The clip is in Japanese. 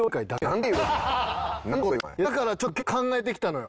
だからちょっと今日考えてきたのよ。